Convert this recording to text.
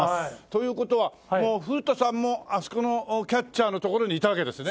という事は古田さんもあそこのキャッチャーの所にいたわけですね。